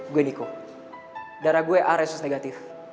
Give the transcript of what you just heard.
gue niko darah gue aresus negatif